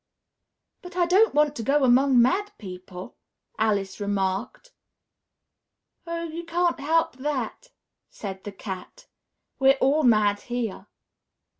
"But I don't want to go among mad people," Alice remarked. "Oh, you can't help that," said the Cat; "we're all mad here.